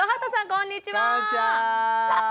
こんにちは。